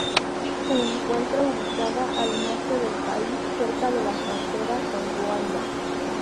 Se encuentra ubicada al norte del país, cerca de la frontera con Ruanda.